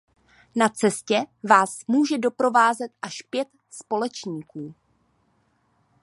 Na cestě Vás může doprovázet až pět společníků.